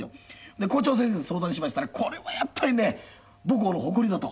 で校長先生に相談しましたらこれはやっぱりね「母校の誇りだ」と。